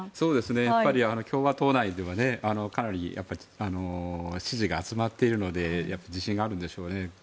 共和党内ではかなり支持が集まっているので自信があるんでしょうね。